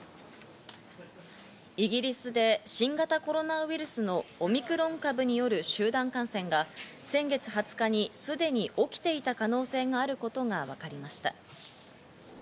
イギリスで新型コロナウイルスのオミクロン株による集団感染が先月２０日にすでに起きていた可能性があることがわかりました。